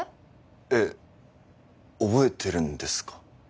えっ覚えてるんですか？